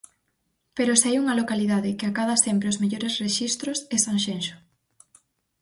Pero se hai unha localidade que acada sempre os mellores rexistros é Sanxenxo.